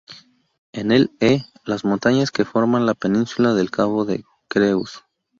En el E, las montañas que forman la península del cabo de Creus.